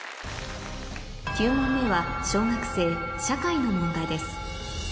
９問目は小学生社会の問題です